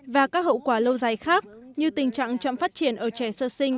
và các hậu quả lâu dài khác như tình trạng chậm phát triển ở trẻ sơ sinh